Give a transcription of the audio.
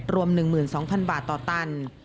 รวม๑๒๐๐๐บาทต่อตัน